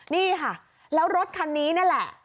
นี่ค่ะแล้วรถคันนี้นั่นแหละ